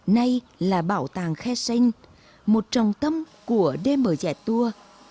nay là bảo tàng khe xanh một trọng tâm của đêm mở dạy tour